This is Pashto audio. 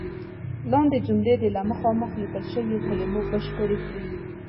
لاندې جملې دې له مخامخ لیکل شوو کلمو بشپړې کړئ.